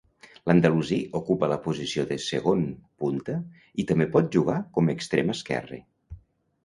L'andalusí ocupa la posició de segon punta i també pot jugar com extrem esquerre.